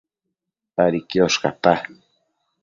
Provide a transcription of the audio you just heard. Padi quiosh cata